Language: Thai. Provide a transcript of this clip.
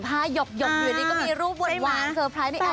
อ๋อ๔๕หยกอยู่นี่ก็มีรูปหว่นหวานเซอร์ไพรส์ในไอจี